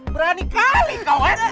berani kali kau eh